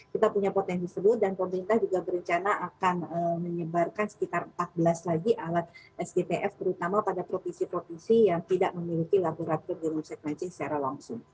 kita punya potensi tersebut dan pemerintah juga berencana akan menyebarkan sekitar empat belas lagi alat sgtf terutama pada provinsi provinsi yang tidak memiliki laboratorium genome sequencing secara langsung